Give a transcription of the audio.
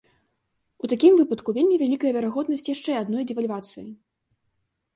У такім выпадку вельмі вялікая верагоднасць яшчэ адной дэвальвацыі.